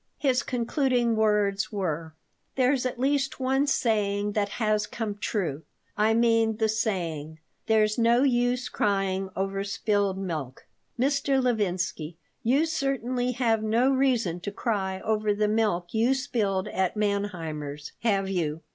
His concluding words were: "There's at least one saying that has come true. I mean the saying, 'There's no use crying over spilled milk.' Mr. Levinsky, you certainly have no reason to cry over the milk you spilled at Manheimer's, have you?"